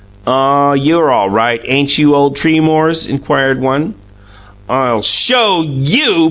"Aw, YOU'RE all right, ain't you, old tree mores?" inquired one. "I'll SHOW you!"